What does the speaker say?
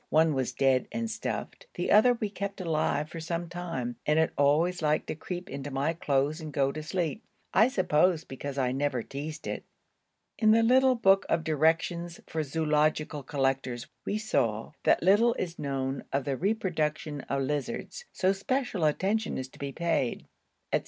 One was dead and stuffed; the other we kept alive for some time and it always liked to creep into my clothes and go to sleep I suppose because I never teased it. In the little book of directions for zoological collectors we saw, that 'little is known of the reproduction of lizards, so special attention is to be paid,' &c.